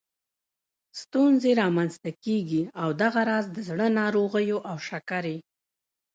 ستونزې رامنځته کېږي او دغه راز د زړه ناروغیو او شکرې